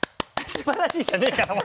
「すばらしい」じゃねえから！